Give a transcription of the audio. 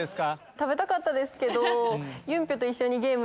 食べたかったですけど。